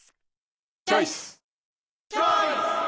チョイス！